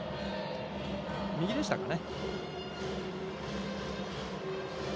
右でしたかね。